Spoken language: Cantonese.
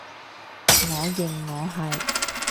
我認我係